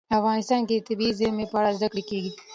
افغانستان کې د طبیعي زیرمې په اړه زده کړه کېږي.